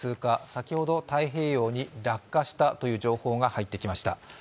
先ほど太平洋に落下したという情報が入ってきました。